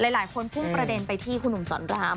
หลายคนพุ่งประเด็นไปที่คุณหนุ่มสอนราม